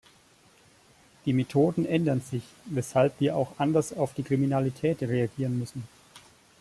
Die Methoden ändern sich, weshalb wir auch anders auf die Kriminalität reagieren müssen.